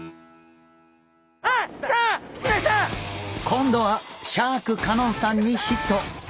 今度はシャーク香音さんにヒット！